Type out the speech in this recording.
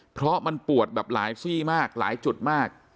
เพราะมันปวดแบบหลายซี่มากหลายจุดมาก